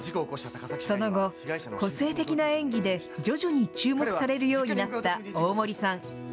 その後、個性的な演技で徐々に注目されるようになった大森さん。